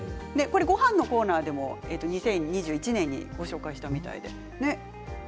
ごはんコーナーでも２０２１年にご紹介したみたいで。